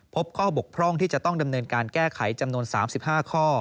พบข้อบกพร่องที่จะต้องดำเนินการแก้ไขจำนวน๓๕ข้อ